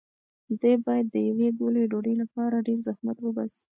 دی باید د یوې ګولې ډوډۍ لپاره ډېر زحمت وباسي.